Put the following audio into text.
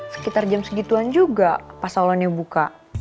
sekitar jam segituan juga pas salonnya buka